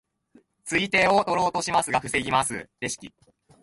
釣り手を取ろうとしますが防ぎますレシキ。